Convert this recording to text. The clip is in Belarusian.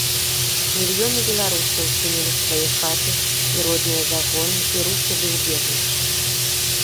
Мільёны беларусаў кінулі свае хаты і родныя загоны і рушылі ў бежанства.